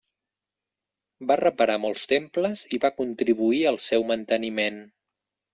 Va reparar molts temples i va contribuir al seu manteniment.